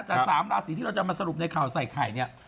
แต่๓ราศีที่เราจะมาสรุปในข่าวใส่ไข่เนี่ย